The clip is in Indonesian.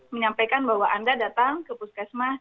menyampaikan bahwa anda datang ke puskesmas